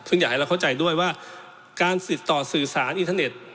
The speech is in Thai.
ซึ่งอยากให้เราเข้าใจด้วยว่าการติดต่อสื่อสารอินเทอร์เน็ต